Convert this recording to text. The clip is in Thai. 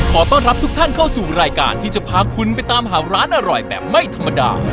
ขอต้อนรับทุกท่านเข้าสู่รายการที่จะพาคุณไปตามหาร้านอร่อยแบบไม่ธรรมดา